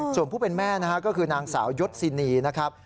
ส่วนผู้เป็นแม่นะฮะก็คือนางสาวยศินีนะครับ